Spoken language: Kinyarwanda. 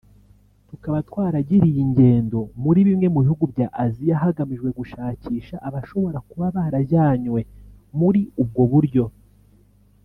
tukaba twaragiriye ingendo muri bimwe mu bihugu bya Aziya hagamijwe gushakisha abashobora kuba barajyanywe muri ubwo buryo